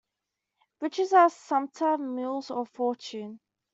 Riches are the sumpter mules of fortune.